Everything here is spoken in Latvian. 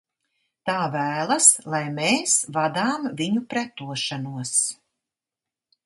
Tā vēlas, lai mēs vadām viņu pretošanos!